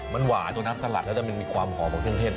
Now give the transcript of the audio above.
มันหวานตัวน้ำสลัดแล้วจะมันมีความหอมของเครื่องเทศ